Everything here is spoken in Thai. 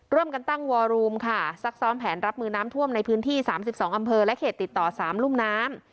ร่วมกันตั้งวอรูมค่ะซักซ้อมแผนรับมือน้ำท่วมในพื้นที่๓๒อำเภอและเขตติดต่อ๓รุ่มน้ำ